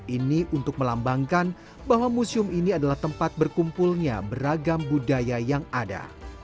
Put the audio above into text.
ini untuk melambangkan bahwa museum ini adalah tempat berkumpulnya beragam budaya yang ada